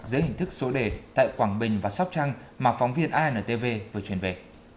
dưới hình thức xô đề tại quảng bình và sóc trăng mà phóng viên antv vừa truyền về